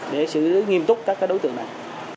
để xử nghiêm túc các đối tượng này